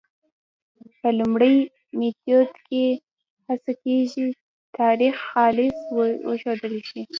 په لومړي میتود کې هڅه کېږي تاریخ خالص وښودل شي.